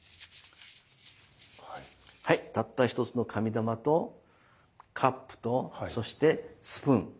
はいたった一つの紙玉とカップとそしてスプーン。